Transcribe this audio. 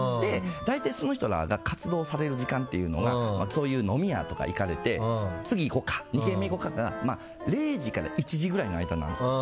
大体その人たちが活動される時間っていうのがそういう飲み屋とか行かれて次行こうか２件目行こうかが０時から１時ぐらいの間なんですよ。